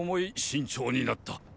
慎重になった。